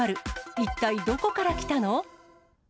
一体どこから来たの？